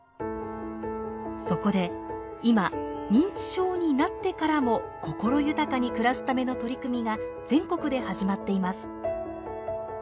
そこで今認知症になってからも心豊かに暮らすための取り組みが全国で始まっています。